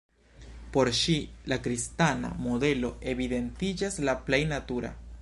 Por ŝi la kristana modelo evidentiĝas la plej natura.